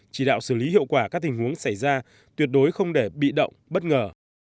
chỉ đạo xử lý hiệu quả các tình huống xảy ra tuyệt đối không để bị động bất ngờ